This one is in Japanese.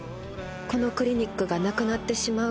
このクリニックがなくなってしまう。